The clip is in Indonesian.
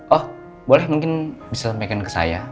oh boleh mungkin bisa sampaikan ke saya